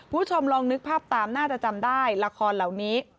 คุณผู้ชมลองนึกภาพตามน่าจะจำได้ละครเหล่านี้